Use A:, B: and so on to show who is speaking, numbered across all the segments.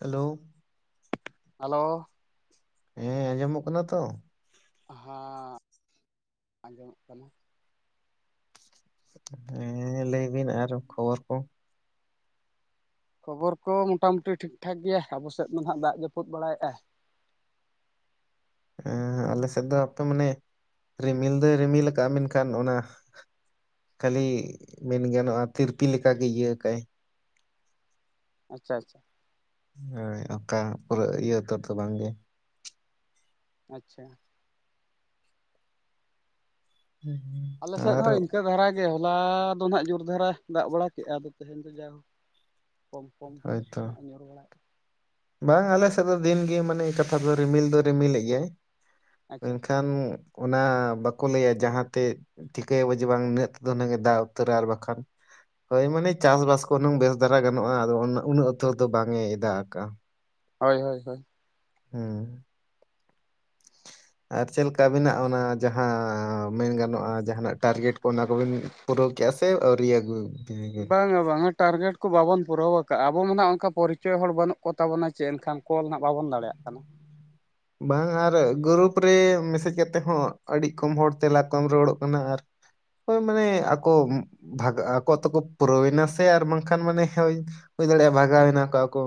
A: Hello,
B: hello,
A: ᱦᱮᱸ, ᱟᱸᱡᱚᱢᱚᱜ ᱠᱟᱱᱟ ᱛᱚ?
B: ᱦᱟᱸ ᱟᱸᱡᱚᱢᱚᱜ ᱠᱟᱱᱟ᱾
A: ᱦᱮᱸ ᱞᱟᱹᱭ ᱵᱤᱱ ᱟᱨ ᱠᱷᱚᱵᱚᱨ ᱠᱚ?
B: ᱠᱷᱚᱵᱚᱨ ᱠᱚ ᱢᱚᱴᱟᱼᱢᱩᱴᱤ ᱴᱷᱤᱠᱼᱴᱷᱟᱠ ᱜᱮᱭᱟ, ᱟᱵᱚ ᱥᱮᱫ ᱫᱚ ᱦᱟᱸᱜ ᱫᱟᱜ ᱡᱟᱹᱯᱩᱫ ᱵᱟᱲᱟᱭᱮᱜᱼᱟᱭ᱾
A: ᱮᱸ ᱟᱞᱮ ᱥᱮᱫ ᱫᱚ ᱦᱟᱯᱮ, ᱢᱟᱱᱮ ᱨᱤᱢᱤᱞ ᱫᱚᱭ ᱨᱤᱢᱤᱞ ᱠᱟᱟᱜᱼᱟ ᱢᱮᱱᱠᱷᱟᱱ ᱚᱱᱟ ᱠᱷᱟᱹᱞᱤ ᱢᱮᱱ ᱜᱟᱱᱚᱜᱼᱟ, ᱛᱤᱨᱯᱤ ᱞᱮᱠᱟᱜᱮ ᱤᱭᱟᱹ ᱠᱟᱜᱼᱟᱭ᱾
B: ᱟᱪᱪᱷᱟ ᱟᱪᱷᱟ,
A: ᱦᱚᱭ ᱚᱱᱠᱟ ᱯᱩᱨᱟᱹ ᱤᱭᱟᱹ ᱩᱛᱟᱹᱨ ᱫᱚ ᱵᱟᱝ ᱜᱮ᱾
B: ᱟᱪᱪᱷᱟ᱾
A: ᱦᱩᱸ ᱦᱩᱸ,
B: ᱟᱞᱮ ᱥᱮᱜ ᱦᱚᱸ ᱤᱱᱠᱟᱹ ᱫᱷᱟᱨᱟ ᱜᱮ ᱦᱚᱞᱟ ᱫᱚ ᱦᱟᱸᱜ ᱡᱩᱨ ᱫᱷᱟᱨᱟ ᱫᱟᱜ ᱵᱟᱲᱟ ᱠᱮᱜᱼᱟ, ᱟᱫᱚ ᱛᱮᱦᱮᱧ ᱫᱚ ᱡᱟ ᱦᱳ ᱠᱚᱢ ᱠᱚᱢ
A: ᱦᱳᱭᱛᱚ
B: ᱱᱷᱟᱸᱜ ᱮ ᱧᱩᱨ ᱵᱟᱲᱟᱭᱮᱜᱼᱟ᱾
A: ᱵᱟᱝ ᱟᱞᱮ ᱥᱮᱫ ᱫᱚ ᱫᱤᱱᱜᱮ ᱢᱟᱱᱮ ᱠᱟᱛᱷᱟ ᱫᱚ ᱨᱤᱢᱤᱞ ᱫᱚ ᱨᱤᱢᱤᱞ ᱞᱮᱜ ᱜᱮᱭᱟᱭ
B: ᱟᱪᱪᱷᱟ
A: ᱢᱮᱱᱠᱷᱟᱱ, ᱚᱱᱟ ᱵᱟᱠᱚ ᱞᱟᱹᱭᱟ, ᱡᱟᱦᱟᱸ ᱛᱮᱫ, ᱴᱷᱤᱠᱟᱹᱭᱟᱵᱚ ᱡᱮ ᱵᱟᱝ ᱱᱤᱱᱟᱹᱜ ᱨᱮᱫᱚ ᱱᱩᱱᱟᱹᱜ-ᱮ ᱫᱟᱜ ᱩᱛᱟᱹᱨᱟ ᱟᱨ ᱵᱟᱠᱷᱟᱱ, ᱦᱟᱭ ᱢᱟᱱᱮ ᱪᱟᱥ ᱵᱟᱥ ᱠᱚ ᱦᱩᱱᱟᱹᱝ ᱵᱮᱥ ᱫᱷᱟᱨᱟ ᱜᱟᱱᱚᱜᱼᱟ, ᱟᱫᱚ ᱩᱱᱟᱹᱜ ᱩᱛᱟᱹᱨ ᱫᱚ ᱵᱟᱝ ᱮ ᱫᱟᱜ ᱟᱠᱟᱜᱼᱟ᱾
B: ᱦᱚᱭ ᱦᱚᱭ ᱦᱚᱭ᱾
A: ᱦᱩᱸ, ᱟᱨ ᱪᱮᱫᱠᱟ ᱟᱹᱵᱮᱱᱟᱜ ᱚᱱᱟ ᱡᱟᱦᱟᱸ ᱢᱮᱱ ᱜᱟᱱᱚᱜᱼᱟ᱾ ᱡᱟᱦᱟᱸᱱᱟᱜ ᱴᱟᱨᱜᱮᱴ ᱠᱚ ᱚᱱᱟ ᱠᱚᱵᱤᱱ ᱯᱩᱨᱟᱹᱣ ᱠᱮᱜᱼᱟ ᱥᱮ ᱟᱹᱣᱨᱤ ᱟᱹᱜᱩ
B: ᱵᱟᱝᱼᱟ ᱵᱟᱝᱼᱟ᱾ ᱴᱟᱨᱜᱮᱴ ᱠᱚ ᱵᱟᱵᱚᱱ ᱯᱩᱨᱟᱹᱣᱟ ᱠᱟᱜᱼᱟ, ᱟᱵᱚ ᱢᱟ ᱱᱷᱟᱸᱜ ᱚᱱᱠᱟ ᱯᱚᱨᱤᱪᱚᱭ ᱦᱚᱲ ᱵᱟᱹᱱᱩᱜ ᱠᱚ ᱛᱟᱵᱚᱱᱟ ᱪᱮ ᱮᱱᱠᱷᱟᱱ ᱠᱚᱞ ᱦᱟᱸᱜ ᱵᱟᱵᱚᱱ ᱫᱟᱲᱮᱭᱟᱜ ᱠᱟᱱᱟ᱾
A: ᱵᱟᱝᱼᱟ ᱟᱨ ᱜᱨᱩᱯ ᱨᱮ ᱢᱮᱥᱮᱡ ᱠᱟᱛᱮ ᱦᱚᱸ ᱟᱹᱰᱤ ᱠᱚᱢ ᱦᱚᱲ ᱛᱮᱞᱟ ᱠᱚ ᱮᱢ ᱨᱩᱣᱟᱹᱲᱚᱜ ᱠᱟᱱᱟ ᱟᱨ, ᱦᱚᱭ ᱢᱟᱱᱮ ᱟᱠᱚ ᱵᱷᱟᱜ ᱟᱠᱚ ᱛᱮ ᱠᱚ ᱯᱩᱨᱟᱹᱣᱱᱟ ᱥᱮ ᱟᱨ ᱵᱟᱝ ᱠᱷᱟᱱ ᱢᱟᱱᱮ ᱦᱚᱭ, ᱦᱩᱭ ᱫᱟᱲᱮᱭᱟᱜᱼᱟ ᱵᱷᱟᱜᱟᱣᱮᱱᱟ ᱠᱚ ᱟᱠᱚ᱾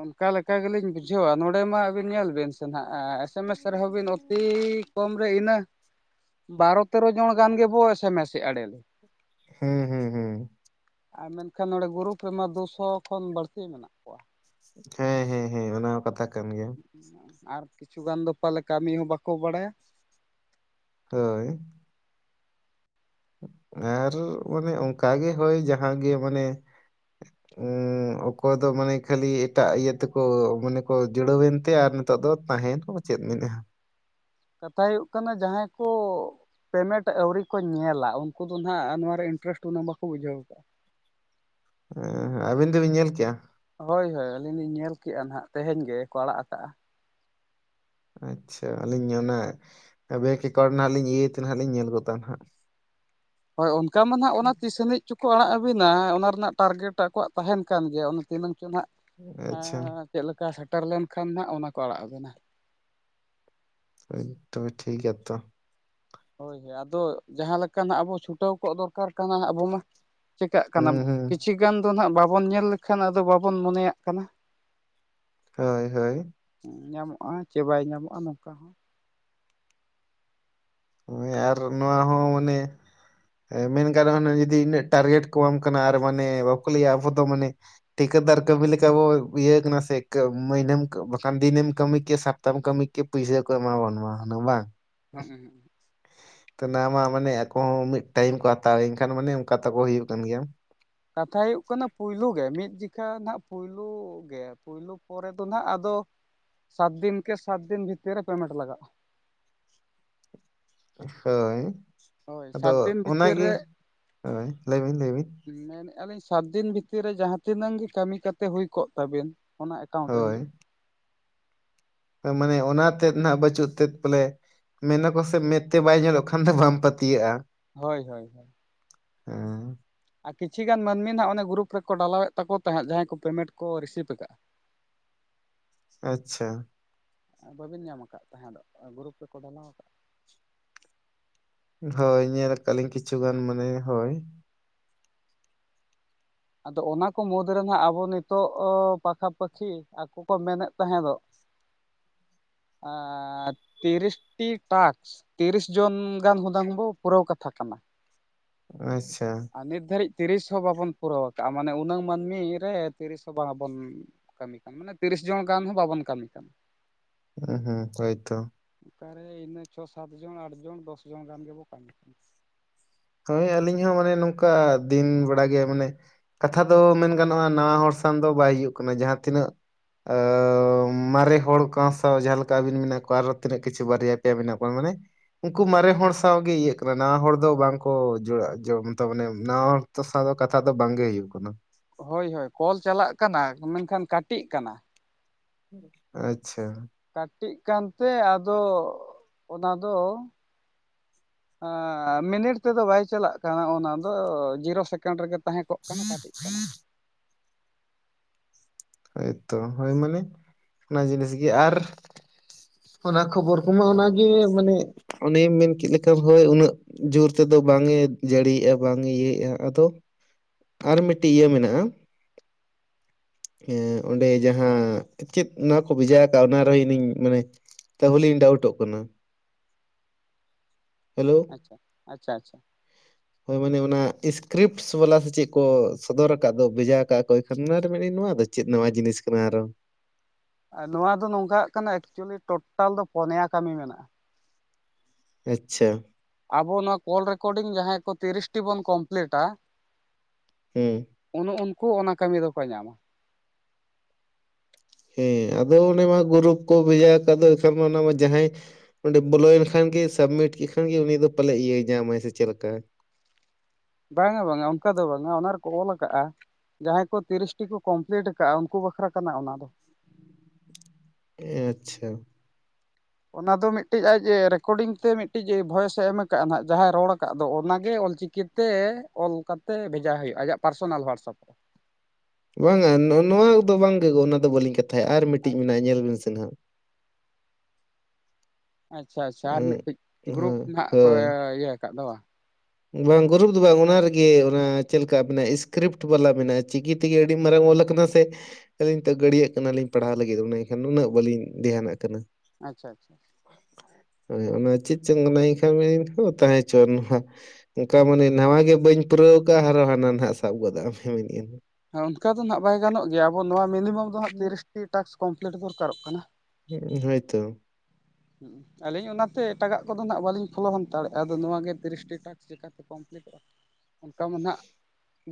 B: ᱚᱱᱠᱟ ᱞᱮᱠᱟ ᱜᱮᱞᱤᱧ ᱵᱩᱡᱷᱟᱹᱣᱟ ᱱᱚᱰᱮ ᱢᱟ ᱟᱹᱵᱤᱱ ᱧᱮᱞ ᱵᱤᱱ ᱥᱮ ᱱᱟᱦᱟᱜ ᱮᱥᱮᱢᱮᱥ ᱨᱮᱦᱚᱸ ᱵᱤᱱ ᱚᱛᱤ, ᱠᱚᱢ ᱨᱮ ᱤᱱᱟᱹ ᱵᱟᱨᱚ ᱛᱮᱨᱚ ᱡᱚᱸᱲ ᱜᱟᱱ ᱜᱮᱵᱚ ᱮᱥᱮ ᱢᱮᱥᱮᱫᱼᱟ ᱰᱮᱞᱤ᱾
A: ᱦᱩᱸ ᱦᱩᱸ ᱦᱩᱸ,
B: ᱟᱨ ᱢᱮᱱᱠᱷᱟᱱ ᱱᱚᱰᱮ ᱜᱩᱨᱩᱯ ᱨᱮᱢᱟ ᱫᱩᱥᱚ ᱠᱷᱚᱱ ᱵᱟᱹᱲᱛᱤ ᱢᱮᱱᱟᱜ ᱠᱚᱣᱟ᱾
A: ᱦᱮᱸ ᱦᱮᱸ ᱦᱮᱸ ᱚᱱᱟ ᱦᱚᱸ ᱠᱟᱛᱷᱟ ᱠᱟᱱ ᱜᱮᱭᱟ᱾
B: ᱟᱨ ᱠᱤᱪᱷᱩ ᱜᱟᱱ ᱫᱚ ᱯᱟᱞᱮ ᱠᱟᱹᱢᱤ ᱦᱚᱸ ᱵᱟᱠᱚ ᱵᱟᱲᱟᱭᱟ᱾
A: ᱦᱳᱭ᱾ ᱟᱨ ᱢᱟᱱᱮ ᱚᱱᱠᱟ ᱜᱮ ᱦᱳᱭ ᱡᱟᱦᱟᱸ ᱜᱮ ᱢᱟᱱᱮ,
B: [inaudible]
A: ᱩᱸ ᱚᱠᱚᱭ ᱫᱚ ᱢᱟᱱᱮ ᱠᱷᱟᱹᱞᱤ ᱮᱴᱟᱜ ᱤᱭᱟᱹ ᱛᱮᱠᱚ ᱢᱟᱱᱮ ᱠᱚ ᱡᱩᱲᱟᱹᱣᱮᱱᱛᱮ ᱟᱨ ᱱᱤᱛᱚᱜ ᱫᱚ ᱛᱟᱦᱮᱱ ᱪᱮᱫ ᱢᱮᱱᱟ ᱟ?
B: ᱠᱟᱛᱷᱟ ᱦᱩᱭᱩᱜ ᱠᱟᱱᱟ ᱡᱟᱦᱟᱸᱭ ᱠᱚ, ᱯᱮᱢᱮᱴ ᱟᱹᱣᱨᱤ ᱠᱚ ᱧᱮᱞᱟ ᱩᱱᱠᱩ ᱫᱚ ᱱᱟᱦᱟᱜ ᱱᱚᱣᱟᱨᱮ ᱤᱱᱴᱟᱨᱮᱥᱴ ᱩᱱᱟᱹᱜ ᱵᱟᱠᱚ ᱵᱩᱡᱷᱟᱹᱣ ᱠᱟᱫᱼᱟ᱾
A: ᱦᱮᱸ ᱦᱮᱸ ᱟᱹᱵᱤᱱ ᱫᱚᱵᱤᱱ ᱧᱮᱞ ᱠᱮᱜᱼᱟ?
B: ᱦᱳᱭ ᱦᱳᱭ ᱟᱹᱞᱤᱧ ᱞᱤᱧ ᱧᱮᱞ ᱠᱮᱜ-ᱟ ᱱᱷᱟᱜ ᱛᱮᱦᱮᱧ ᱜᱮ ᱠᱚ ᱟᱲᱟᱜ ᱠᱟᱜ-ᱟ᱾
A: ᱟᱪ-ᱪᱷᱟ ᱟᱹᱞᱤᱧ ᱚᱱᱟ ᱵᱮᱠ ᱮᱠᱟᱣᱩᱱᱴ ᱨᱮᱱᱟᱜ ᱞᱤᱧ ᱤᱭᱟᱹᱭ ᱛᱮ ᱱᱷᱟᱜ ᱞᱤᱧ ᱧᱮᱞ ᱜᱚᱫᱟ ᱱᱷᱟᱜ᱾
B: ᱦᱳᱭ ᱚᱱᱠᱟ ᱢᱟ ᱱᱷᱟᱜ ᱚᱱᱟ ᱛᱤᱥ ᱟᱹᱱᱤᱡ ᱪᱚᱠᱚ ᱟᱲᱟᱜ ᱟᱵᱤᱱᱟ ᱚᱱᱟ ᱨᱮᱱᱟᱜ ᱴᱟᱨᱜᱮᱴ ᱟᱠᱚᱣᱟᱜ ᱛᱟᱦᱮᱱ ᱠᱟᱱ ᱜᱮᱭᱟ᱾ ᱛᱤᱱᱟᱹᱝ ᱪᱚ ᱱᱷᱟᱜ
A: ᱟᱪᱪᱷᱟ
B: ᱮᱸ ᱪᱮᱜ ᱞᱮᱠᱟ ᱥᱮᱴᱮᱨ ᱞᱮᱱᱠᱷᱟᱱ ᱱᱷᱟᱜ ᱚᱱᱟ ᱠᱚ ᱟᱲᱟᱜ ᱟᱵᱮᱱᱟ᱾
A: ᱦᱳᱭ ᱛᱚᱵᱮ ᱴᱷᱤᱠ ᱜᱮᱭᱟ ᱛᱚ᱾
B: ᱦᱳᱭ ᱦᱳᱭ ᱟᱫᱚ ᱡᱟᱸᱦᱟ ᱞᱮᱠᱟ ᱱᱟᱜ ᱟᱵᱚ ᱪᱷᱩᱴᱟᱹᱣ ᱠᱚᱜ ᱫᱚᱨᱠᱟᱨ ᱠᱟᱱᱟ ᱦᱟᱸᱜ ᱟᱵᱚ ᱢᱟ᱾ ᱪᱮᱠᱟᱜ ᱠᱟᱱᱟ
A: ᱦᱩᱸ ᱦᱩᱸ
B: ᱠᱤᱪᱷᱤ ᱜᱟᱱ ᱫᱚ ᱱᱷᱟᱜ ᱵᱟᱵᱚᱱ ᱧᱮᱞ ᱞᱮᱠᱷᱟᱱ ᱟᱫᱚ ᱵᱟᱵᱚᱱ ᱢᱚᱱᱮᱭᱟᱜ ᱠᱟᱱᱟ᱾
A: ᱦᱳᱭ ᱦᱳᱭ᱾
B: ᱧᱟᱢᱚᱜ-ᱟ ᱪᱮ ᱵᱟᱭ ᱧᱟᱢᱚᱜ-ᱟ ᱱᱚᱠᱟ ᱦᱚᱸ᱾
A: ᱟᱨ ᱱᱚᱣᱟ ᱦᱚᱸ ᱩᱱᱤ᱾ ᱮᱸ ᱢᱮᱱ ᱜᱟᱱᱚᱜ-ᱟ ᱱᱟ ᱡᱩᱫᱤ ᱤᱱᱟᱹᱜ ᱴᱟᱨᱜᱮᱴ ᱠᱚ ᱮᱢᱟᱢ ᱠᱟᱱᱟ ᱟᱨ ᱢᱟᱱᱮ ᱵᱟᱠᱚ ᱞᱟᱹᱭᱟ ᱟᱵᱚ ᱫᱚ ᱢᱟᱱᱮ᱾ ᱴᱷᱤᱠᱟᱹᱫᱟᱨ ᱠᱟᱹᱢᱤ ᱞᱮᱠᱟ ᱵᱚ ᱤᱭᱟᱹ ᱠᱟᱱᱟ ᱥᱮ ᱠᱟᱹ ᱢᱟᱹᱭᱱᱟᱹᱢ ᱵᱟᱠᱷᱟᱱ ᱫᱤᱱᱮᱢ ᱠᱟᱹᱢᱤ ᱠᱮ ᱥᱟ ᱛᱟᱢ ᱠᱟᱹᱢᱤ ᱠᱮ ᱯᱩᱭᱥᱟᱹ ᱠᱚ ᱮᱢᱟ ᱵᱚᱱ ᱢᱟ ᱦᱩᱱᱟᱹ ᱵᱟᱝ?
B: ᱦᱚᱜ-ᱩ ᱦᱩᱜ-ᱩ᱾
A: ᱛᱚ ᱚᱱᱟ ᱢᱟ ᱢᱟᱱᱮ ᱟᱠᱚ ᱦᱚᱸ ᱢᱤᱜ ᱴᱟᱭᱤᱢ ᱠᱚ ᱦᱟᱛᱟᱣ ᱮᱱᱠᱷᱟᱱ ᱢᱟᱱᱮ ᱚᱱᱠᱟ ᱛᱟᱠᱚ ᱦᱩᱭᱩᱜ ᱠᱟᱱ ᱜᱮᱭᱟ᱾
B: ᱠᱟᱛᱷᱟ ᱦᱩᱭᱩᱜ ᱠᱟᱱᱟ ᱯᱩᱭᱞᱩ ᱜᱮ ᱢᱤᱫ ᱡᱮᱠᱷᱟ ᱱᱷᱟᱜ ᱯᱩᱭᱞᱩ ᱜᱮ ᱯᱩᱭᱞᱩ ᱯᱚᱨᱮ ᱫᱚ ᱱᱷᱟᱜ ᱟᱫᱚ᱾ ᱥᱟᱛ ᱫᱤᱱ ᱠᱮ ᱥᱟᱛ ᱫᱤᱱ ᱵᱷᱤᱛᱤᱨ ᱨᱮ ᱯᱮᱢᱮᱴ ᱞᱟᱜᱟᱜ-ᱟ᱾
A: ᱦᱳᱭ
B: ᱦᱳᱭ ᱥᱟᱛ ᱫᱤᱱ
A: ᱟᱫᱚ
B: ᱵᱷᱤᱛᱤᱨ
A: ᱚᱱᱟᱜᱤ ᱦᱳᱭ ᱞᱟᱹᱭ ᱵᱤᱱ ᱞᱟᱹᱭ ᱵᱤᱱ᱾
B: ᱢᱮᱱᱮᱜ-ᱟ ᱞᱤᱧ ᱥᱟᱛ ᱫᱤᱱ ᱵᱷᱤᱛᱤᱨ ᱨᱮ ᱡᱟᱸᱦᱟ ᱛᱤᱱᱟᱹᱝ ᱜᱮ ᱠᱟᱢᱤ ᱠᱟᱛᱮ ᱦᱩᱭ ᱠᱚᱜ ᱛᱟᱵᱤᱱ᱾ ᱚᱱᱟ ᱮᱠᱟᱣᱩᱱᱴ ᱨᱮ
A: ᱦᱳᱭ
B: ᱦᱤᱡᱩᱜ
A: ᱢᱟᱱᱮ ᱚᱱᱟ ᱛᱮᱫ ᱱᱷᱟᱜ ᱵᱟᱹᱪᱩᱜ ᱛᱮᱫ ᱫᱚᱞᱮ᱾ ᱢᱮᱱᱟᱠᱚ ᱥᱮ ᱢᱮᱫ ᱛᱮ ᱵᱟᱭ ᱧᱮᱞᱚᱜ ᱠᱷᱟᱱ ᱫᱚ ᱵᱟᱢ ᱯᱟᱹᱛᱭᱟᱹᱜ-ᱟ᱾
B: ᱦᱳᱭ ᱦᱳᱭ ᱦᱳᱭ᱾
A: ᱮᱸ᱾
B: ᱟᱨ ᱠᱤᱪᱷᱤ ᱜᱟᱱ ᱢᱟᱱᱢᱤ ᱱᱷᱟᱜ ᱚᱱᱮ ᱜᱨᱩᱯ ᱨᱮᱠᱚ ᱰᱟᱞᱟᱣᱮᱜ ᱛᱟᱠᱚ ᱛᱟᱸᱦᱮᱜ ᱡᱟᱸᱦᱟᱭ ᱠᱚ ᱯᱮᱢᱮᱱᱴ ᱠᱚ ᱨᱤᱥᱤᱵ ᱠᱟᱜ-ᱟ᱾ [inaudible]
A: ᱟᱪ-ᱪᱷᱟ᱾
B: ᱵᱟᱹᱵᱤᱱ ᱧᱟᱢ ᱟᱠᱟᱜ ᱛᱟᱸᱦᱮᱫᱚᱜ ᱜᱨᱩᱯ ᱨᱮᱠᱚ ᱰᱟᱞᱟᱣ ᱠᱟ
A: ᱦᱳᱭ ᱧᱮᱞ ᱠᱟᱜᱞᱤᱧ ᱠᱤᱪᱷᱩ ᱜᱟᱱ ᱢᱟᱱᱮ ᱦᱳᱭ᱾
B: ᱟᱫᱚ ᱚᱱᱟ ᱠᱚ ᱢᱩᱫᱽᱨᱮ ᱱᱷᱟᱜ ᱟᱵᱚ ᱱᱤᱛᱚᱜ ᱯᱟᱠᱷᱟ ᱯᱟᱹᱠᱷᱤ ᱟᱠᱚ ᱠᱚ ᱢᱮᱱᱮᱜ ᱛᱟᱦᱮᱸᱫᱚᱜ᱾ ᱮᱸ ᱛᱤᱨᱤᱥᱴᱤ ᱴᱟᱠᱥ᱾ ᱛᱤᱨᱤᱥ ᱡᱚᱱ ᱜᱟᱱ ᱦᱚᱫᱟᱝ ᱵᱚ ᱯᱩᱨᱟᱹᱣ ᱠᱟᱛᱷᱟ ᱠᱟᱱᱟ᱾
A: ᱟᱪ-ᱪᱷᱟ᱾
B: ᱱᱤᱛ ᱫᱷᱟᱹᱨᱤᱡ ᱛᱤᱨᱤᱥ ᱦᱚᱸ ᱵᱟᱵᱚᱱ ᱯᱩᱨᱟᱹᱣ ᱠᱟᱜ-ᱟ ᱢᱟᱱᱮ ᱩᱱᱟᱹᱝ ᱢᱟᱹᱱᱢᱤ ᱨᱮ ᱛᱤᱨᱤᱥ ᱦᱚᱸ ᱵᱟᱝ ᱵᱚᱱ᱾ ᱠᱟᱢᱤ ᱠᱟᱱ ᱢᱟᱱᱮ ᱛᱤᱨᱤᱥ ᱡᱚᱱ ᱜᱟᱱ ᱦᱚ ᱵᱟᱵᱚᱱ ᱠᱟᱢᱤ ᱠᱟᱱ
A: ᱦᱩᱸ ᱦᱩᱸ ᱦᱳᱭᱛᱚ᱾
B: ᱚᱠᱟᱨᱮ ᱤᱱᱟᱹ ᱪᱷᱚ ᱥᱟᱛ ᱡᱚᱱ ᱟᱴ ᱡᱚᱱ ᱫᱚᱥ ᱡᱚᱱ ᱜᱟᱱ ᱜᱮᱵᱚ ᱠᱟᱢᱤ ᱠᱟᱱ᱾
A: ᱦᱳᱭ ᱟᱹᱞᱤᱧ ᱦᱚᱸ ᱢᱟᱱᱮ ᱱᱚᱝᱠᱟ ᱫᱤᱱ ᱵᱮᱲᱟ ᱜᱮ ᱢᱟᱱᱮ᱾ ᱠᱟᱛᱷᱟ ᱫᱚ ᱢᱮᱱ ᱜᱟᱱᱚᱜ-ᱟ ᱱᱟᱣᱟ ᱦᱚᱲ ᱥᱟᱝ ᱫᱚ ᱵᱟᱭ ᱦᱩᱭᱩᱜ ᱠᱟᱱᱟ ᱡᱟᱸᱦᱟ ᱛᱤᱱᱟᱹᱜ ᱟᱹᱻ ᱢᱟᱨᱮ ᱦᱚᱲ ᱠᱟ ᱥᱟᱶ ᱡᱟᱸᱦᱟ ᱞᱮᱠᱟ ᱟᱹᱵᱤᱱ ᱢᱮᱱᱟᱜ ᱠᱚᱣᱟ ᱟᱨᱚ ᱛᱤᱱᱟᱹᱜ ᱠᱤᱪᱷᱩ ᱵᱟᱨᱭᱟ ᱯᱮᱭᱟ ᱢᱮᱱᱟᱜ ᱠᱚᱣᱟ ᱢᱟᱱᱮ᱾ ᱩᱱᱠᱩ ᱢᱟᱨᱮ ᱦᱚᱲ ᱥᱟᱶ ᱜᱮ ᱤᱭᱟᱹᱜ ᱠᱟᱱᱟ ᱱᱟᱣᱟ ᱦᱚᱲ ᱫᱚ ᱵᱟᱝ ᱠᱚ ᱡᱚᱲᱟ ᱡᱚᱲ ᱛᱟ ᱢᱟᱱᱮ ᱱᱟᱣᱟ ᱛᱚ ᱥᱟᱶ ᱫᱚ ᱠᱟᱛᱷᱟ ᱫᱚ ᱵᱟᱝᱜᱮ ᱦᱩᱭᱩᱜ ᱠᱟᱱᱟ᱾
B: ᱦᱳᱭ ᱦᱳᱭ ᱠᱚᱞ ᱪᱟᱞᱟᱜ ᱠᱟᱱᱟ ᱢᱮᱱᱠᱷᱟᱱ ᱠᱟᱴᱤᱜ ᱠᱟᱱᱟ᱾
A: ᱟᱪ-ᱪᱷᱟ᱾
B: ᱠᱟᱴᱤᱜ ᱠᱟᱱᱛᱮ ᱟᱫᱚ ᱚᱱᱟ ᱫᱚ ᱟᱸᱢᱤᱱᱤᱴ ᱛᱮᱫᱚ ᱵᱟᱭ ᱪᱟᱞᱟᱜ ᱠᱟᱱᱟ ᱚᱱᱟ ᱫᱚ, ᱡᱤᱨᱳ ᱥᱮᱠᱮᱱᱰ ᱨᱮᱜᱮ ᱛᱟᱦᱮᱸ ᱠᱚᱜ ᱠᱟᱱᱟ ᱠᱟᱹᱴᱤᱜ ᱠᱟᱱᱟ ᱾
A: ᱦᱳᱭᱛᱚ ᱦᱳᱭ ᱢᱟᱱᱮ, ᱚᱱᱟ ᱡᱤᱱᱤᱥ ᱜᱮ ᱟᱨ ᱚᱱᱟ ᱠᱷᱚᱵᱚᱨ ᱠᱚᱢᱟ ᱚᱱᱟᱜᱮ, ᱢᱟᱱᱮ ᱚᱱᱮᱢ ᱢᱮᱱᱠᱮᱫ ᱞᱮ ᱞᱮᱠᱟ ᱦᱳᱭ ᱩᱱᱟᱹᱜ ᱡᱳᱨ ᱛᱮᱫᱚ ᱵᱟᱝᱮ ᱡᱟᱹᱲᱤᱭᱮᱫᱼᱟ, ᱵᱟᱝ ᱮ ᱤᱭᱟᱹᱭᱮᱫᱼᱟ ᱟᱫᱚ᱾ ᱟᱨ ᱢᱤᱫᱴᱤᱡ ᱤᱭᱟᱹ ᱢᱮᱱᱟᱜᱼᱟ᱾ ᱮᱸ ᱚᱸᱰᱮ ᱡᱟᱦᱟᱸ ᱪᱮᱫ ᱱᱚᱣᱟ ᱠᱚ ᱵᱷᱮᱡᱟ ᱠᱟᱜ-ᱟ, ᱚᱱᱟ ᱨᱮ ᱤᱧᱤᱧ ᱢᱟᱱᱮ ᱛᱟᱦᱚᱞᱮᱧ ᱰᱟᱣᱩᱴᱚᱜ ᱠᱟᱱᱟ᱾ ᱦᱮᱞᱳ
B: ᱟᱪᱪᱷᱟ, ᱟᱪᱪᱷᱟ, ᱟᱪᱪᱷᱟ᱾
A: ᱦᱳᱭ ᱢᱟᱱᱮ ᱚᱱᱟ ᱤᱥᱠᱨᱤᱯᱴ ᱥᱳᱞᱟ ᱥᱮ ᱪᱮᱫ ᱠᱚ ᱥᱚᱫᱚᱨ ᱠᱟᱫ ᱫᱚ, ᱵᱷᱮᱡᱟ ᱠᱟᱜᱼᱟ ᱠᱚ ᱤᱧ ᱠᱷᱟᱹᱱ ᱚᱱᱟᱨᱮ ᱢᱮᱱᱮᱧ ᱱᱚᱣᱟ ᱫᱚ ᱪᱮᱫ ᱱᱟᱣᱟ ᱡᱤᱱᱤᱥ ᱠᱟᱱᱟ ᱟᱨᱚ?
B: ᱟᱨ ᱱᱚᱣᱟ ᱫᱚ ᱱᱚᱝᱠᱟᱜ ᱠᱟᱱᱟ, ᱮᱠᱪᱩᱭᱮᱞᱤ ᱴᱳᱴᱟᱞ ᱫᱚ ᱯᱚᱱᱭᱟ ᱠᱟᱹᱢᱤ ᱢᱮᱱᱟᱜᱼᱟ᱾
A: ᱟᱪᱪᱷᱟ᱾
B: ᱟᱵᱚ ᱱᱚᱣᱟ ᱠᱚᱞ ᱨᱮᱠᱚᱨᱰᱤᱝ ᱡᱟᱦᱟᱸᱭ ᱠᱚ, ᱛᱤᱨᱤᱥᱴᱤ ᱵᱚᱱ ᱠᱚᱢᱯᱞᱤᱴᱟ
A: ᱦᱮᱸ
B: ᱩᱱᱩ ᱩᱱᱠᱩ ᱚᱱᱟ ᱠᱟᱹᱢᱤ ᱫᱚᱠᱚ ᱧᱟᱢᱟ ᱾
A: ᱦᱮᱸ ᱟᱫᱚ ᱚᱱᱮ ᱢᱟ ᱜᱩᱨᱩᱯ ᱠᱚ ᱵᱷᱮᱡᱟ ᱠᱟᱫ ᱫᱚ, ᱮᱱᱠᱷᱟᱱ ᱢᱟ ᱚᱱᱟ ᱢᱟ ᱡᱟᱦᱟᱸᱭ ᱚᱸᱰᱮ ᱵᱚᱞᱚᱭᱮᱱ ᱠᱷᱟᱱ ᱜᱮ ᱥᱟᱵᱢᱤᱴ ᱠᱮᱫ ᱠᱷᱟᱱ ᱜᱮ ᱩᱱᱤ ᱫᱚ, ᱯᱟᱞᱮ ᱤᱭᱟᱹᱭ ᱧᱟᱢᱟᱭ ᱥᱮ ᱪᱮᱫ ᱞᱮᱠᱟ?
B: ᱵᱟᱝᱟ ᱵᱟᱝᱟ ᱚᱱᱠᱟ ᱫᱚ ᱵᱟᱝᱟ, ᱚᱱᱟ ᱨᱮᱠᱚ ᱚᱞ ᱠᱟᱜᱼᱟ᱾ ᱡᱟᱦᱟᱸᱭ ᱠᱚ ᱛᱤᱨᱤᱥᱴᱤ ᱠᱚ ᱠᱚᱢᱯᱞᱤᱴ ᱠᱟᱜᱼᱟ, ᱩᱱᱠᱩ ᱵᱟᱠᱷᱨᱟ ᱠᱟᱱᱟ ᱚᱱᱟ ᱫᱚ ᱾
A: ᱮᱸᱻ ᱟᱪᱪᱷᱟ᱾
B: ᱚᱱᱟ ᱫᱚ ᱢᱤᱫᱴᱤᱡ ᱟᱡ ᱨᱮᱠᱚᱨᱰᱤᱝ ᱛᱮ ᱢᱤᱫᱴᱤᱡ ᱵᱷᱚᱭᱮᱥᱮ ᱮᱢ ᱠᱟᱜᱼᱟ, ᱱᱟᱦᱟᱜ ᱡᱟᱦᱟᱸᱭ ᱨᱚᱲ ᱟᱠᱟᱫ ᱫᱚ ᱚᱱᱟᱜᱮ ᱚᱞᱪᱤᱠᱤ ᱛᱮ ᱚᱞ ᱠᱟᱛᱮ ᱵᱷᱮᱡᱟ ᱦᱳᱭᱳᱜᱼᱟ, ᱟᱭᱟᱜ ᱯᱟᱨᱥᱚᱱᱟᱞ ᱦᱳᱣᱟᱴᱥᱟᱯ ᱨᱮ ᱾
A: ᱵᱟᱝᱟ ᱱᱚ ᱱᱚᱣᱟ ᱠᱚᱫᱚ ᱵᱟᱝᱜᱮ ᱜᱳ ᱚᱱᱟ ᱫᱚ ᱵᱟᱹᱞᱤᱧ ᱠᱟᱛᱷᱟᱭᱮᱜ-ᱟ, ᱟᱨ ᱢᱤᱫᱴᱤᱡ ᱢᱮᱱᱟᱜᱼᱟ ᱧᱮᱞ ᱵᱤᱱ ᱥᱮ ᱱᱟᱦᱟᱸᱜ?
B: ᱟᱪᱪᱷᱟ ᱟᱪᱪᱷᱟ ᱟᱨ
A: ᱦᱮᱸ
B: ᱢᱤᱫᱴᱮᱡ, ᱜᱨᱩᱯ ᱱᱟᱦᱟᱜ ᱠᱚ
A: ᱦᱳᱭ
B: ᱤᱭᱟᱹ ᱠᱟᱫᱴᱜ ᱫᱚ ᱵᱟᱝ?
A: ᱵᱟᱝ ᱜᱩᱨᱩᱯ ᱫᱚ ᱵᱟᱝ ᱚᱱᱟ ᱨᱮᱜᱮ ᱚᱱᱟ, ᱪᱮᱞᱮᱠᱟ ᱢᱮᱱᱟᱜ ᱤᱥᱠᱨᱤᱯᱴ ᱵᱟᱞᱟ ᱢᱮᱱᱟᱜᱼᱟ ᱪᱤᱠᱤ ᱛᱮᱜᱮ ᱟᱹᱰᱤ ᱢᱟᱨᱟᱝ ᱚᱞ ᱠᱟᱱᱟ ᱥᱮ ᱟᱹᱞᱤᱧ ᱛᱚ ᱜᱟᱹᱲᱤᱭᱟᱹᱜ ᱠᱟᱱᱟᱞᱤᱧ ᱯᱟᱲᱦᱟᱣ ᱞᱟᱹᱜᱤᱫ, ᱮᱱᱠᱷᱟᱱ ᱩᱱᱟᱹᱜ ᱵᱟᱹᱞᱤᱧ ᱫᱷᱮᱭᱟᱱᱟᱜ ᱠᱟᱱᱟ ᱾
B: ᱟᱪᱪᱷᱟ, ᱟᱪᱪᱷᱟ᱾
A: ᱦᱳᱭ ᱚᱱᱟ ᱪᱮᱫ ᱪᱚᱝ [unintelligible] [unintelligible] ᱛᱟᱦᱮᱸ ᱦᱚᱪᱚ ᱦᱟᱸ ᱚᱱᱠᱟ ᱢᱟᱱᱮ ᱱᱟᱣᱟ ᱜᱮ ᱵᱟᱹᱧ ᱯᱩᱨᱟᱹᱣ ᱠᱟᱜᱼᱟ, ᱟᱨᱚ ᱦᱟᱱᱟ ᱱᱟᱦᱟᱜ ᱥᱟᱵ ᱜᱚᱫ ᱟᱢ ᱢᱮᱱᱮᱫ
B: ᱦᱚᱸ ᱚᱱᱠᱟ ᱫᱚ ᱱᱟᱦᱟᱜ ᱵᱟᱭ ᱜᱟᱱᱚᱜ ᱜᱮᱭᱟ, ᱟᱵᱚ ᱱᱚᱣᱟ ᱢᱤᱱᱤᱢᱟᱢ ᱫᱚ ᱦᱟᱸᱜ ᱛᱤᱨᱤᱥᱴᱤ ᱴᱟᱥᱠ ᱠᱚᱢᱯᱞᱤᱴ ᱫᱚᱨᱠᱟᱨᱚᱜ ᱠᱟᱱᱟ ᱾
A: ᱦᱩᱸ, ᱦᱳᱭᱛᱚ᱾
B: ᱟᱹᱞᱤᱧ ᱚᱱᱟᱛᱮ ᱮᱴᱟᱜᱟᱜ ᱠᱚᱫᱚ ᱱᱟᱦᱟᱜ ᱵᱟᱹᱞᱤᱧ ᱯᱷᱳᱞᱳ ᱦᱟᱛᱟᱲᱮᱜᱼᱟ, ᱟᱫᱚ ᱱᱚᱣᱟᱜᱮ ᱛᱤᱨᱤᱥᱴᱤ ᱴᱟᱥᱠ ᱪᱤᱠᱟᱛᱮ ᱠᱚᱢᱯᱞᱤᱴ ᱚᱱᱠᱟ ᱢᱟ ᱱᱟᱦᱟᱜ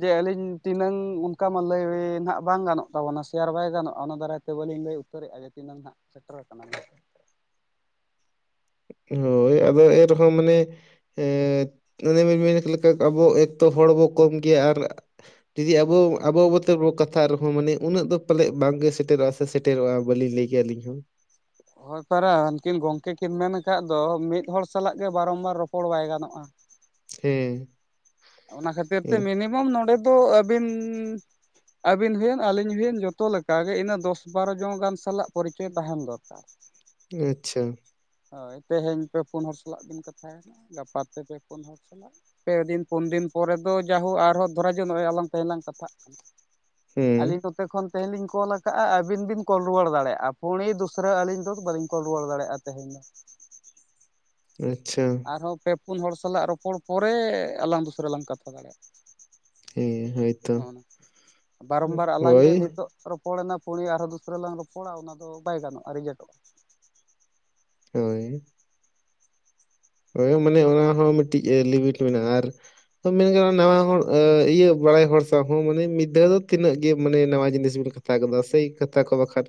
B: ᱡᱮ ᱟᱹᱞᱤᱧ ᱛᱤᱱᱟᱹᱝ ᱚᱱᱠᱟ ᱢᱟ ᱞᱟᱹᱭ ᱱᱟᱦᱟᱜ ᱵᱟᱝ ᱜᱟᱱᱚᱜ ᱛᱟᱵᱚᱱᱟ, ᱥᱮᱭᱟᱨ ᱵᱟᱭ ᱜᱟᱱᱚᱜᱼᱟ ᱚᱱᱟ ᱫᱟᱨᱟᱭ ᱛᱮ᱾ ᱵᱟᱞᱤᱧ ᱞᱟᱹᱭ ᱩᱛᱟᱹᱨᱮᱜᱼᱟ, ᱡᱮ ᱛᱤᱱᱟᱝ ᱦᱟᱜ ᱥᱮᱴᱮᱨ ᱠᱟᱱᱟᱞᱤᱧ᱾
A: ᱦᱳᱭ ᱟᱫᱚ ᱮᱸ ᱨᱮᱦᱚᱸ ᱢᱟᱱᱮ ᱮᱸᱻ ᱚᱱᱮ ᱢᱮᱱ ᱞᱮᱠᱟ ᱟᱵᱚ ᱮᱠᱛᱚ, ᱦᱚᱲ ᱵᱚ ᱠᱚᱢ ᱜᱮᱭᱟ ᱟᱨ ᱡᱩᱫᱤ ᱟᱵᱚ ᱟᱵᱚ ᱟᱵᱚ ᱛᱮᱵᱚ ᱠᱟᱛᱷᱟ ᱟᱨᱦᱚᱸ, ᱢᱟᱱᱮ ᱩᱱᱟᱹᱜ ᱫᱚ ᱯᱟᱞᱮᱫ ᱵᱟᱝᱜᱮ ᱥᱮᱴᱮᱨᱚᱜᱼᱟ᱾ ᱥᱮᱴᱮᱨᱚᱜᱼᱟ ᱵᱟᱹᱞᱤᱧ ᱞᱟᱹᱭ ᱠᱮᱭᱟ ᱟᱹᱞᱤᱧ ᱦᱚᱸ ᱾
B: ᱦᱚᱭ ᱯᱟᱨᱟ ᱦᱟᱹᱱᱠᱤᱱ ᱜᱚᱝᱠᱮ ᱠᱤᱱ ᱢᱮᱱ ᱠᱟᱜ ᱫᱚ, ᱢᱤᱫ ᱦᱚᱲ ᱥᱟᱞᱟᱜ ᱜᱮ ᱵᱟᱨᱚᱢ ᱵᱟᱨ ᱨᱚᱯᱚᱲ ᱵᱟᱭ ᱜᱟᱱᱚᱜ-ᱟ᱾
A: ᱦᱮ
B: ᱚᱱᱟ ᱠᱷᱟᱹᱛᱤᱨ ᱛᱮ ᱢᱤᱱᱤᱢᱚᱢ ᱱᱚᱸᱰᱮ ᱫᱚ ᱟᱹᱵᱤᱱ ᱟᱵᱤᱱ ᱦᱩᱭᱮᱱ ᱟᱞᱤᱧ ᱦᱩᱭᱮᱱ ᱡᱚᱛᱚ ᱞᱮᱠᱟ ᱜᱮ, ᱤᱱᱟᱹ ᱫᱚᱥ ᱵᱟᱨᱚ ᱡᱚᱱ ᱜᱟᱱ ᱥᱟᱞᱟᱜ ᱯᱚᱨᱤᱪᱚᱭ ᱛᱟᱦᱮᱱ ᱫᱚᱨᱠᱟᱨ᱾
A: ᱟᱪᱪᱷᱟ
B: ᱦᱳᱭ, ᱛᱮᱦᱮᱧ ᱯᱮ ᱯᱩᱱ ᱦᱚᱲ ᱥᱟᱞᱟᱜ ᱵᱤᱱ ᱠᱟᱛᱷᱟᱭ ᱱᱟ, ᱜᱟᱯᱟ ᱛᱮ ᱯᱮ ᱯᱩᱱ ᱦᱚᱲ ᱥᱟᱞᱟᱜ, ᱯᱮ ᱫᱤᱱ ᱯᱳᱱ ᱫᱤᱱ ᱯᱚᱨᱮ ᱫᱚ ᱡᱟᱭᱦᱳᱠ ᱟᱨᱦᱚᱸ ᱫᱷᱚᱨᱟ ᱡᱚᱜ ᱱᱚᱜ-ᱚᱭ ᱟᱞᱟᱝ ᱛᱮᱦᱮᱧ ᱞᱟᱝ ᱠᱟᱛᱷᱟᱜ ᱠᱟᱱᱟ,
A: ᱦᱮᱸ
B: ᱟᱞᱤᱧ ᱫᱚ ᱛᱮ ᱠᱷᱚᱱ ᱛᱮᱦᱮᱧ ᱞᱤᱧ ᱠᱚᱞ ᱟᱠᱟᱜ-ᱟ ᱟᱵᱤᱱ ᱵᱤᱱ ᱠᱚᱞ ᱨᱩᱣᱟᱹᱲ ᱫᱟᱲᱮᱜ-ᱟ ᱯᱩᱬᱤ ᱫᱩᱥᱨᱟ ᱟᱹᱞᱤᱧ ᱫᱚ ᱵᱟᱹᱞᱤᱧ ᱠᱚᱞ ᱨᱩᱣᱟᱹᱲ ᱫᱟᱲᱮᱜ-ᱟ ᱛᱮᱦᱮᱧ᱾ ᱫᱚ᱾
A: ᱟᱪᱪᱷᱟ᱾
B: ᱦᱮᱸ, ᱯᱮ ᱯᱩᱱ ᱦᱚᱲ ᱥᱟᱞᱟᱜ ᱨᱚᱯᱚᱲ ᱯᱚᱨᱮ ᱟᱞᱟᱝ ᱫᱩᱥᱨᱟ ᱞᱟᱝ ᱠᱟᱛᱷᱟ ᱫᱟᱲᱮᱜ-ᱟ᱾
A: ᱦᱮᱸ ᱦᱳᱭᱛᱚ
B: ᱱᱚᱜ-ᱱᱚᱝᱠᱟ, ᱵᱟᱨᱚᱢ ᱵᱟᱨ ᱟᱞᱟᱝ ᱜᱮ
A: ᱦᱳᱭ
B: ᱱᱤᱛᱳᱜ ᱨᱚᱯᱚᱲ ᱮᱱᱟ ᱯᱩᱬᱤ ᱟᱨ ᱦᱚᱸ ᱫᱩᱥᱨᱟ ᱞᱟᱝ ᱨᱚᱯᱚᱲᱟ ᱚᱱᱟ ᱫᱚ ᱵᱟᱭ ᱜᱟᱱᱚᱜ-ᱟ, ᱨᱤᱡᱮᱴᱚᱜ-ᱟ᱾
A: ᱦᱳᱭ᱾ ᱦᱳᱭ ᱢᱟᱱᱮ ᱚᱱᱟ ᱦᱚᱸ ᱢᱤᱫᱴᱤᱡ ᱞᱤᱢᱤᱴ ᱢᱮᱱᱟᱜ-ᱟ ᱟᱨ ᱛᱚ ᱢᱮᱱ ᱜᱟᱱᱚᱜ-ᱟ ᱱᱟᱣᱟ ᱦᱚᱲ ᱚᱻ ᱤᱭᱟᱹ ᱵᱟᱲᱟᱭ ᱦᱚᱲ ᱥᱟᱶ ᱦᱚᱸ ᱢᱟᱱᱮ ᱢᱤᱫ ᱫᱷᱟᱹᱣ ᱫᱚ ᱛᱤᱱᱟᱹᱜ ᱜᱮ ᱢᱟᱱᱮ ᱱᱟᱣᱟ ᱡᱤᱱᱤᱥ ᱵᱮᱱ ᱠᱟᱛ ᱠᱟᱛᱷᱟ ᱠᱚᱫᱚ ᱥᱟᱹᱭ ᱠᱟᱛᱷᱟ ᱠᱚ ᱵᱟᱠᱷᱟᱱ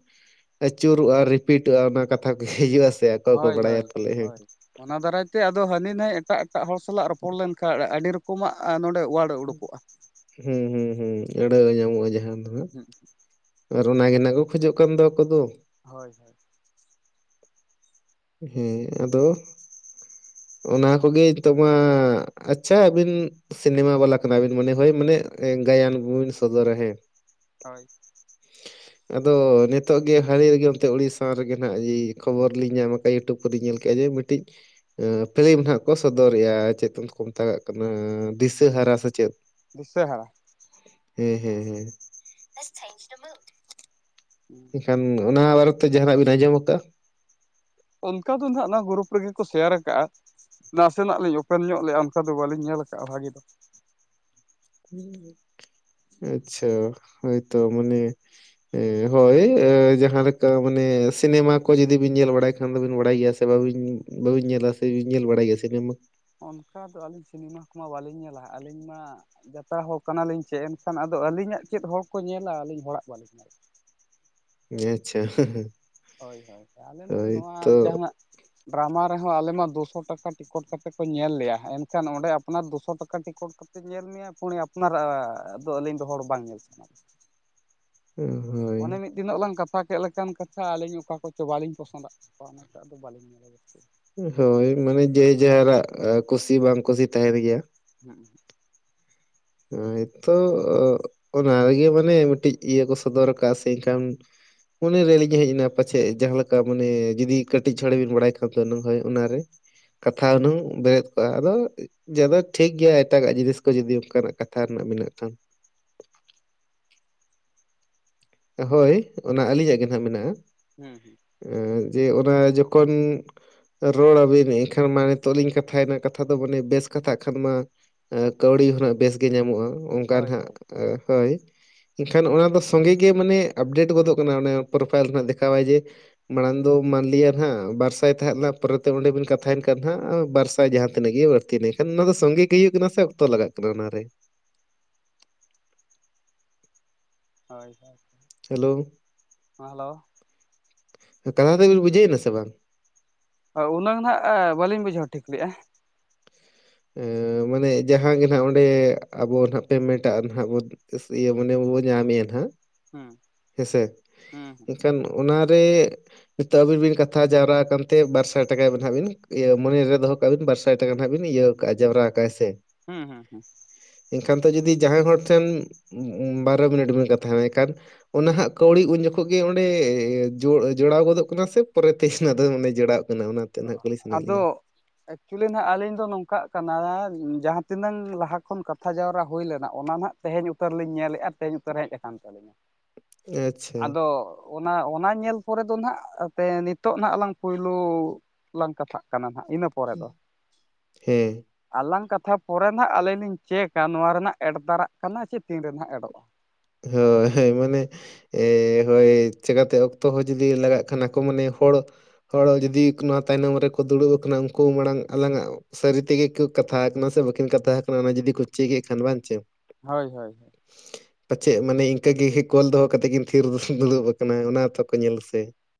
A: ᱟᱹᱪᱩᱨᱚᱜ-ᱟ ᱨᱤᱯᱤᱴᱚᱜ-ᱟ ᱚᱱᱟ ᱠᱟᱛᱷᱟ ᱠᱚᱜᱮ ᱦᱤᱡᱩᱜ-ᱟ ᱥᱮ ᱥᱮ ᱟᱠᱚ ᱜᱮᱠᱚ
B: ᱦᱳᱭ
A: ᱵᱟᱲᱟᱭᱟ
B: ᱦᱳᱭ
A: ᱯᱟᱞᱮ ᱦᱮᱸ᱾
B: ᱦᱳᱭ ᱚᱱᱟ ᱫᱟᱨᱟᱭ ᱛᱮ ᱟᱫᱚ ᱦᱟᱹᱱᱤ ᱱᱟᱭ ᱮᱴᱟᱜ ᱮᱴᱟᱜ ᱦᱚᱲ ᱥᱟᱞᱟᱜ ᱨᱚᱯᱚᱲ ᱞᱮᱱ ᱠᱷᱟᱡ ᱟᱹᱰᱤ ᱨᱚᱠᱚᱢᱟᱜ ᱟᱸᱻ ᱱᱚᱸᱰᱮ [unintelligible]
A: ᱦᱩᱸ, ᱦᱩᱸ ᱦᱩᱸ ᱦᱩᱸ ᱟᱹᱲᱟᱹ ᱧᱟᱢᱚᱜ-ᱟ ᱡᱟᱦᱟᱸ ᱫᱚ ᱦᱟᱸᱜ᱾
B: ᱦᱩᱸ
A: ᱟᱨ ᱚᱱᱟ ᱜᱮ ᱱᱟᱜ ᱠᱚ ᱠᱷᱚᱡᱚᱜ ᱠᱟᱱ ᱫᱚ ᱟᱠᱚ ᱫᱚ᱾
B: ᱦᱚᱭ ᱦᱚᱭ᱾
A: ᱦᱩᱸ ᱟᱫᱚ ᱚᱱᱟ ᱠᱚᱜᱮ ᱱᱤᱛᱳᱜ ᱢᱟ, ᱟᱪᱪᱷᱟ ᱟᱹᱵᱤᱱ ᱥᱤᱱᱮᱢᱟ ᱵᱟᱞᱟ ᱠᱟᱱᱟ ᱵᱤᱱ, ᱢᱟᱱᱮ ᱦᱚᱭ ᱢᱟᱱᱮ ᱮ, ᱜᱟᱭᱟᱱ ᱠᱩᱵᱤᱱ ᱥᱚᱫᱚᱨᱟ ᱦᱮᱸ᱾
B: ᱦᱚᱭ᱾
A: ᱟᱫᱚ ᱱᱤᱛᱳᱜ ᱜᱮ ᱦᱟᱹᱞᱤ ᱨᱮᱜᱮ ᱚᱱᱛᱮ ᱩᱲᱤᱥᱥᱟ ᱨᱮᱜᱮ ᱱᱟᱦᱟᱸᱜ ᱠᱷᱚᱵᱚᱨ ᱞᱤᱧ ᱧᱟᱢ ᱟᱠᱟᱜ ᱤᱭᱩᱴᱩᱵᱽ ᱠᱚᱨᱤᱧ ᱧᱮᱞ ᱠᱮᱜ-ᱟ ᱡᱮ ᱢᱤᱴᱤᱡ ᱟᱸᱻ ᱯᱷᱤᱞᱤᱢ ᱱᱟᱦᱟᱸᱜ ᱠᱚ ᱥᱚᱫᱚᱨᱮᱜ-ᱟ ᱪᱮᱫ ᱛᱩᱢ ᱛᱚᱠᱚ ᱢᱮᱛᱟᱜᱟᱜ ᱠᱟᱱᱟ ᱫᱤᱥᱟᱹ ᱦᱟᱨᱟ ᱥᱮ ᱪᱮᱫ᱾
B: ᱫᱤᱥᱟᱹ ᱦᱟᱨᱟ᱾
A: ᱦᱩᱸ ᱦᱩᱸ ᱦᱩᱸ᱾ ᱠᱷᱟᱱ ᱚᱱᱟ ᱵᱟᱨᱮ ᱛᱮ ᱡᱟᱦᱟᱸ ᱱᱟᱜ ᱵᱤᱱ ᱟᱸᱡᱚᱢ ᱟᱠᱟᱜ-ᱟ?
B: ᱚᱱᱠᱟ ᱫᱚ ᱱᱟᱦᱟᱸᱜ ᱚᱱᱟ ᱜᱩᱨᱩᱯ ᱨᱮᱜᱮ ᱠᱚ ᱥᱮᱭᱟᱨ ᱟᱠᱟᱜ-ᱟ᱾ ᱱᱟᱥᱮ ᱱᱟᱜ ᱞᱤᱧ ᱚᱯᱮᱱ ᱧᱚᱜ ᱞᱮᱜ-ᱟ ᱚᱱᱠᱟ ᱫᱚ ᱵᱟᱞᱤᱧ ᱧᱮᱞ ᱟᱠᱟᱜ-ᱟ ᱵᱷᱟᱜᱤ ᱫᱚ᱾
A: ᱦᱩᱸ, ᱟᱪᱪᱷᱟ ᱦᱳᱭᱛᱚ ᱢᱟᱱᱮ ᱦᱮᱸ ᱦᱳᱭ ᱮᱻ ᱡᱟᱦᱟᱸ ᱞᱮᱠᱟ ᱢᱟᱱᱮ ᱥᱤᱱᱮᱢᱟ ᱠᱚ ᱡᱩᱫᱤ ᱵᱤᱱ ᱧᱮᱞ ᱵᱟᱲᱟᱭ ᱠᱷᱟᱱ ᱫᱚᱵᱤᱱ ᱵᱟᱲᱟᱭ ᱜᱮᱭᱟ ᱥᱮ᱾ ᱥᱮ ᱵᱟᱵᱤᱱ, ᱵᱟᱵᱤᱱ ᱧᱮᱞᱟ ᱥᱮ ᱵᱤᱱ ᱧᱮᱞ ᱵᱟᱲᱟᱭ ᱜᱮᱭᱟ ᱥᱤᱱᱮᱢᱟ?
B: ᱚᱱᱠᱟ ᱫᱚ ᱟᱹᱞᱤᱧ ᱥᱤᱱᱮᱢᱟ ᱠᱚᱢᱟ ᱵᱟᱞᱤᱧ ᱧᱮᱞᱟ ᱦᱟᱸᱜ ᱟᱹᱞᱤᱧ ᱢᱟ ᱡᱟᱛᱨᱟ ᱦᱚᱲ ᱠᱟᱱᱟ ᱞᱤᱧ ᱪᱮ ᱮᱱᱠᱷᱟᱱ ᱟᱫᱚ ᱟᱹᱞᱤᱧᱟᱜ ᱪᱮᱫ ᱦᱚᱲ ᱠᱚ ᱧᱮᱞᱟ, ᱟᱹᱞᱤᱧ ᱦᱚᱲᱟᱜ ᱵᱟᱞᱤᱧ ᱧᱮᱞᱟ᱾
A: ᱦᱮᱸ ᱟᱪᱪᱷᱟ᱾
B: ᱦᱚᱭ ᱦᱚᱭ, ᱟᱞᱮ ᱢᱟ
A: ᱦᱳᱭ
B: ᱱᱚᱣᱟ
A: ᱛᱚ
B: ᱡᱟᱦᱟᱸ ᱱᱟᱜ ᱰᱨᱟᱢᱟ ᱨᱮᱦᱚᱸ ᱟᱞᱮ ᱢᱟ ᱫᱩ ᱥᱚ ᱴᱟᱠᱟ ᱴᱤᱠᱚᱴ ᱠᱟᱛᱮᱜ ᱠᱚ ᱧᱮᱞ ᱞᱮᱭᱟ, ᱮᱱᱠᱷᱟᱱ ᱚᱸᱰᱮ ᱟᱯᱱᱟᱨ ᱫᱩ ᱥᱚ ᱴᱟᱠᱟ ᱴᱤᱠᱤᱴ ᱠᱟᱛ ᱛᱮᱜ ᱧᱮᱞ ᱢᱮᱭᱟ, ᱯᱩᱬᱤ ᱟᱯᱱᱟᱨᱟᱜ-ᱟ ᱟᱫᱚ ᱟᱹᱞᱤᱧ ᱫᱚ ᱦᱚᱲ ᱵᱟᱝ ᱧᱮᱞ ᱥᱟᱱᱟ ᱞᱤᱧᱟᱹ᱾
A: ᱦᱩᱸ ᱦᱩᱸ᱾
B: ᱚᱱᱮ ᱢᱤᱫ ᱛᱤᱱᱟᱹᱜ ᱞᱟᱝ ᱠᱟᱛᱷᱟ ᱠᱮᱫ ᱞᱮᱠᱟᱱ ᱠᱟᱛᱷᱟ ᱟᱞᱤᱧ ᱚᱠᱟ ᱠᱚ ᱪᱚ ᱵᱟᱞᱤᱧ ᱯᱚᱥᱚᱸᱫᱟᱜ ᱠᱚᱣᱟ ᱚᱱᱟ ᱛᱮ‌ ᱟᱫᱚ ᱵᱟᱞᱤᱧ ᱧᱮᱞᱟ ᱡᱟᱹᱥᱛᱤ᱾
A: ᱮ, ᱦᱳᱭ ᱢᱟᱱᱮ ᱡᱮᱡᱟᱨᱟᱜ ᱟ ᱠᱩᱥᱤ ᱵᱟᱝ ᱠᱩᱥᱤ ᱛᱟᱸᱦᱮᱱ ᱜᱮᱭᱟ᱾
B: ᱦᱩᱸᱜ ᱦᱩᱸ᱾
A: ᱦᱳᱭᱛᱚ ᱚᱻ ᱚᱱᱟ ᱜᱮ ᱢᱟᱱᱮ ᱢᱤᱫᱴᱤᱡ ᱤᱭᱟᱹ ᱠᱚ ᱥᱚᱫᱚᱨ ᱠᱟᱜ-ᱟ ᱥᱮ ᱮᱱᱠᱷᱟᱱ ᱢᱚᱱᱮᱨᱮᱞᱤᱱ ᱦᱮᱡ ᱮᱱᱟ, ᱯᱟᱪᱷᱮᱜ ᱡᱟᱦᱟᱸ ᱞᱮᱠᱟ ᱢᱟᱱᱮ ᱡᱩᱫᱤ ᱠᱟᱴᱤᱡ ᱪᱷᱚᱲᱮ ᱵᱤᱱ ᱵᱟᱲᱟᱭ ᱠᱷᱟᱱ ᱫᱚ ᱦᱳᱭ ᱚᱱᱟᱨᱮ ᱠᱟᱛᱷᱟ ᱦᱩᱱᱟᱝ ᱵᱮᱨᱮᱫ ᱠᱚᱜᱼᱟ᱾ ᱟᱫᱚ ᱡᱟᱫᱟ ᱴᱷᱤᱠ ᱜᱮᱭᱟ᱾ ᱮᱴᱟᱜᱟᱜ ᱡᱤᱱᱤᱥ ᱠᱚ ᱡᱩᱫᱤ ᱚᱱᱠᱟᱱᱟᱜ ᱠᱟᱛᱷᱟ ᱨᱮᱱᱟᱜ ᱢᱮᱱᱟᱜ ᱠᱷᱟᱱ᱾ ᱦᱳᱭ ᱚᱱᱟ ᱟᱞᱤᱧᱟᱜ ᱜᱮ ᱢᱮᱱᱟᱜᱼᱟ᱾
B: ᱦᱩᱸ, ᱦᱩᱸ᱾
A: ᱮ ᱡᱮ ᱚᱱᱟ ᱡᱚᱠᱷᱚᱱ ᱨᱚᱲᱟᱵᱤᱱ ᱮᱱᱠᱷᱟᱱ ᱢᱟ, ᱱᱤᱛᱚᱜ ᱞᱤᱧ ᱠᱟᱛᱷᱟᱭ ᱮᱱᱟ, ᱠᱟᱛᱷᱟ ᱫᱚ ᱢᱟᱱᱮ ᱵᱮᱥ ᱠᱟᱛᱷᱟᱜ ᱠᱷᱟᱱ ᱢᱟ ᱠᱟᱹᱣᱲᱤ ᱦᱚᱸᱱᱟᱜ ᱵᱮᱥ ᱜᱮ ᱧᱟᱢᱚᱜᱼᱟ᱾ ᱚᱱᱠᱟ
B: ᱦᱳᱭ
A: ᱱᱟᱜ
B: ᱦᱳᱭ
A: ᱦᱳᱭ ᱮᱱᱠᱷᱟᱱ ᱚᱱᱟ ᱫᱚ ᱥᱚᱸᱜᱮ ᱜᱮ ᱢᱟᱱᱮ ᱟᱯᱰᱮᱴ ᱜᱚᱫᱚᱜ ᱠᱟᱱᱟ᱾ ᱚᱱᱮ ᱯᱨᱚᱯᱷᱟᱭᱤᱞ ᱨᱮ ᱱᱟᱜ ᱫᱮᱠᱷᱟᱣᱟᱭ ᱡᱮ ᱢᱟᱲᱟᱝ ᱫᱚ ᱢᱟᱱᱞᱤᱭᱟ ᱱᱟᱜ ᱵᱟᱨᱥᱟᱭ ᱛᱟᱦᱮᱸᱜ ᱞᱮᱱᱟ᱾ ᱯᱚᱨᱮᱛᱮ ᱚᱸᱰᱮ ᱵᱤᱱ ᱠᱟᱛᱷᱟᱭᱮᱱ ᱠᱷᱟᱱ ᱦᱟᱜ ᱵᱟᱨᱥᱟᱭ ᱡᱟᱦᱟᱸ ᱛᱤᱱᱟᱹᱜ ᱜᱮ ᱵᱟᱹᱲᱛᱤ ᱛᱤ ᱞᱮᱱᱠᱷᱟᱱ ᱱᱚᱣᱟ ᱫᱚ ᱥᱚᱸᱜᱮ ᱜᱮ ᱦᱩᱭᱩᱜ ᱠᱟᱱᱟ ᱥᱮ ᱚᱠᱛᱚ ᱞᱟᱜᱟᱜ ᱠᱟᱱᱟ ᱚᱱᱟ ᱨᱮ?
B: ᱦᱳᱭ, ᱦᱳᱭ᱾
A: ᱦᱮᱞᱳ᱾
B: ᱦᱚᱸ ᱦᱮᱞᱳ?
A: ᱠᱟᱛᱷᱟ ᱫᱚᱵᱮᱱ ᱵᱩᱡᱷᱟᱹᱣ ᱮᱱᱟ ᱥᱮ ᱵᱟᱝ?
B: ᱩᱱᱟᱹ ᱱᱟᱜ ᱵᱟᱞᱤᱧ ᱵᱩᱡᱷᱟᱹᱣ ᱴᱷᱤᱠ ᱞᱮᱜᱼᱟ᱾
A: ᱮ ᱢᱟᱱᱮ ᱡᱟᱦᱟᱸ ᱜᱮ ᱱᱟᱜ ᱚᱸᱰᱮ ᱟᱵᱚ ᱱᱟᱜ ᱯᱮᱢᱮᱱᱴᱟᱜ ᱨᱮᱱᱟᱜ ᱵᱚᱱ ᱤᱭᱟᱹ ᱢᱟᱱᱮ ᱟᱵᱚᱵᱚ ᱧᱟᱢ ᱮᱭᱟ, ᱱᱟᱜ
B: ᱦᱩᱸ
A: ᱦᱮᱸᱥᱮ᱾
B: ᱦᱩᱸ ᱦᱩᱸ᱾
A: ᱮᱱᱠᱷᱟᱱ ᱚᱱᱟ ᱨᱮ ᱱᱤᱛᱚᱜ ᱟᱵᱤᱱ ᱵᱤᱱ ᱠᱟᱛᱷᱟ ᱡᱟᱣᱨᱟ ᱠᱟᱱᱛᱮ ᱵᱟᱨ ᱥᱟᱭ ᱴᱟᱠᱟ ᱱᱟᱜ ᱵᱤᱱ, ᱢᱚᱱᱮ ᱨᱮ ᱫᱚᱦᱚ ᱠᱟᱜ ᱵᱤᱱ ᱵᱟᱨ ᱥᱟᱭ ᱴᱟᱠᱟ ᱱᱟᱜ ᱵᱤᱱ ᱤᱭᱟᱹ ᱠᱟᱜᱼᱟ, ᱡᱟᱣᱨᱟᱠᱟᱜᱼᱟ ᱦᱮᱸᱥᱮ᱾
B: ᱦᱩᱸ, ᱦᱩᱸ, ᱦᱩᱸ᱾
A: ᱮᱱᱠᱷᱟᱱ ᱫᱚ ᱡᱩᱫᱤ ᱡᱟᱦᱟᱸᱭ ᱦᱚᱲ ᱴᱷᱮᱱ ᱵᱟᱨᱚ ᱢᱤᱱᱤᱴ ᱵᱤᱱ ᱠᱟᱛᱷᱟᱭ ᱮᱱᱟ ᱮᱠᱟᱞ ᱚᱱᱟ ᱦᱟᱸᱜ ᱠᱟᱹᱣᱲᱤ ᱩᱱ ᱡᱚᱠᱷᱚᱜ ᱜᱮ ᱚᱸᱰᱮ ᱡᱚ ᱡᱚᱲᱟᱣ ᱜᱚᱫᱚᱜ ᱠᱟᱱᱟ ᱥᱮ ᱯᱚᱨᱮ ᱛᱮ ᱥᱮᱱᱮ ᱡᱚᱲᱟᱣᱚᱜ ᱚᱱᱟ? ᱚᱱᱟ ᱛᱮ ᱱᱟᱦᱟᱜ ᱠᱩᱞᱤ ᱥᱟᱱᱟᱭᱮᱫ
B: ᱟᱫᱚ
A: ᱞᱤᱧᱟ
B: ᱮᱠᱪᱩᱞᱤ ᱱᱟᱜ ᱟᱞᱤᱧ ᱫᱚ ᱱᱚᱝᱠᱟᱜ ᱠᱟᱱᱟ, ᱡᱟᱦᱟᱸ ᱛᱤᱱᱟᱹᱝ ᱞᱟᱦᱟ ᱠᱷᱚᱱ ᱠᱟᱛᱷᱟ ᱡᱟᱣᱨᱟ ᱦᱩᱭ ᱞᱮᱱᱟ᱾ ᱚᱱᱟ ᱱᱟᱜ ᱛᱮᱦᱮᱧ ᱩᱛᱟᱹᱨ ᱞᱤᱧ ᱧᱮᱞᱮᱜᱼᱟ᱾ ᱛᱮᱦᱮᱧ ᱩᱛᱟᱹᱨ ᱦᱮᱡ ᱠᱟᱱ ᱛᱟᱞᱤᱧᱟ᱾
A: ᱟᱪᱪᱷᱟ
B: ᱟᱫᱚ ᱚᱱᱟ ᱚᱱᱟ ᱧᱮᱞ ᱯᱚᱨᱮ ᱫᱚ ᱱᱟᱜ ᱛᱮ ᱱᱤᱛᱚᱜ ᱱᱟᱜ ᱞᱟᱝ ᱯᱩᱭᱞᱳ ᱞᱟᱝ ᱠᱟᱛᱷᱟᱜ ᱠᱟᱱᱟ ᱱᱟᱜ ᱤᱱᱟᱹ
A: ᱦᱮᱸ᱾
B: ᱟᱞᱟᱝ ᱠᱟᱛᱷᱟ ᱯᱚᱨᱮ ᱱᱟᱜ ᱟᱞᱤᱧ ᱞᱤᱧ ᱪᱮᱠᱟ, ᱱᱚᱣᱟ ᱨᱮᱱᱟᱜ ᱮᱰ ᱫᱟᱨᱟᱜ ᱠᱟᱱᱟ ᱥᱮ ᱛᱤᱱ ᱨᱮ ᱱᱟᱜ ᱮᱰᱚᱜᱼᱟ?
A: ᱦᱳᱭ ᱦᱳᱭ, ᱢᱟᱱᱮ ᱮ ᱦᱳᱭ ᱪᱤᱠᱟᱛᱮ ᱚᱠᱛᱚ ᱦᱚᱸ ᱡᱩᱫᱤ ᱞᱟᱜᱟᱜ ᱠᱷᱟᱱ ᱟᱠᱚ ᱢᱟᱱᱮ ᱦᱚᱲ ᱦᱚᱲᱚ ᱡᱩᱫᱤ ᱱᱚᱣᱟ ᱛᱟᱭᱱᱚᱢ ᱨᱮᱠᱚ ᱫᱩᱲᱩᱵ ᱠᱟᱱᱟ᱾ ᱩᱱᱠᱩ ᱢᱟᱲᱟᱝ ᱟᱞᱟᱝ ᱟᱜ ᱥᱟᱨᱤ ᱛᱮᱜᱮ ᱠᱩ ᱠᱟᱛᱷᱟ ᱠᱟᱱᱟ ᱥᱮ ᱵᱟᱠᱤᱱ ᱠᱟᱛᱷᱟ ᱠᱟᱱᱟ᱾ ᱚᱱᱟ ᱡᱩᱫᱤ ᱠᱚ ᱪᱮᱠᱮᱫ ᱠᱷᱟᱱ ᱵᱟᱝ ᱪᱮ?
B: ᱦᱳᱭ, ᱦᱳᱭ᱾
A: ᱯᱟᱪᱮᱫ ᱢᱟᱱᱮ ᱤᱱᱠᱟᱹ ᱜᱮ ᱠᱚᱞ ᱫᱚᱦᱚ ᱠᱟᱛᱮ ᱠᱤᱱ ᱛᱷᱤᱨ ᱫᱩᱲᱩᱵ ᱠᱟᱱᱟ? ᱚᱱᱟ ᱦᱚᱛᱚ ᱠᱚ ᱧᱮᱞᱟ ᱥᱮ?